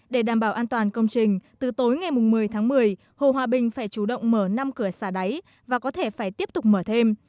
để đảm bảo an toàn công trình từ tối ngày một mươi tháng một mươi hồ hòa bình phải chủ động mở năm cửa xả đáy và có thể phải tiếp tục mở thêm